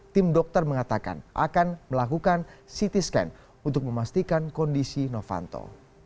tim dokter mengatakan akan melakukan ct scan untuk memastikan kondisi novanto